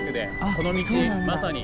この道まさに。